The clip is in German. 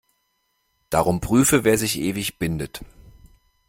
Darum prüfe, wer sich ewig bindet.